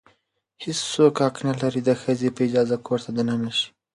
هیڅ څوک حق نه لري د ښځې په اجازې کور ته دننه شي.